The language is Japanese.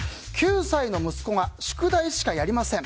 ９歳の息子が宿題しかやりません。